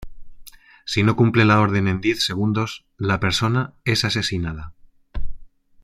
Si no cumple la orden en diez segundos, la persona es asesinada.